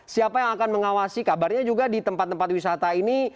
siapa yang akan mengawasi kabarnya juga di tempat tempat wisata ini